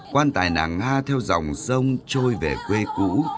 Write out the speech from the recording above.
quan tài nàng nga theo dòng sông trôi về quê cũ